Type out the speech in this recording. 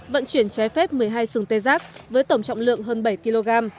vận chuyển trái phép một mươi hai xưng tê rác với tổng trọng lượng hơn bảy kg